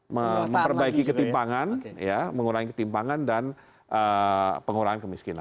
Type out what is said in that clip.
memperbaiki ketimpangan mengurangi ketimpangan dan pengurangan kemiskinan